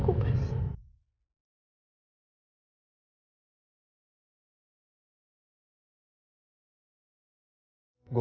aku gak bisa gini terus